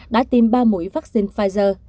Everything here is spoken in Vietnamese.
đã tìm ba mũi vaccine pfizer